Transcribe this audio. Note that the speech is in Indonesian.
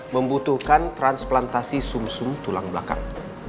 membutuhkan transplantasi sum sum tulang belakang